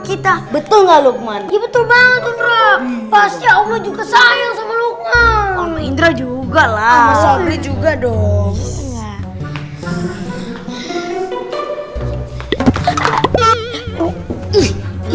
kita betul nggak lukman betul banget pastinya allah juga sayang semoga indra juga lah juga dong